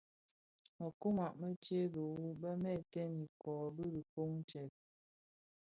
Më tyoma tse dhihuu bë mèètèn ikōō bi dhifōn tsèb.